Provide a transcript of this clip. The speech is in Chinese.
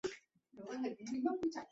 拉瓦勒站位于拉瓦勒市区的东北部。